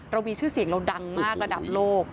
เรามีชื่อเสียงเราดังมากระดับโลก